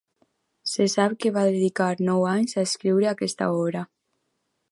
Se sap que va dedicar nou anys a escriure aquesta obra.